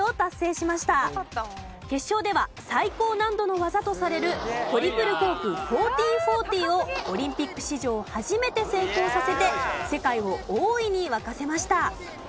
決勝では最高難度の技とされるトリプルコーク１４４０をオリンピック史上初めて成功させて世界を大いに沸かせました。